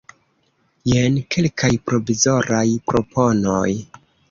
Jen kelkaj provizoraj proponoj.